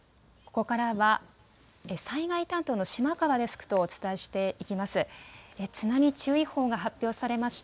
ここからは災害担当の島川デスクとお伝えしていきます。